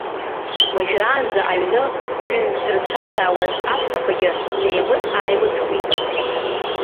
Уажәраанӡа аҩны ҩынзырцәажәаауаз аҳәсақәагьы неимыҵ-ааимыҵқәеит.